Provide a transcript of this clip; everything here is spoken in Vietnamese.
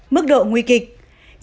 mức độ nguy kịch